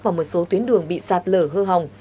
và một số tuyến đường bị sạt lở hư hỏng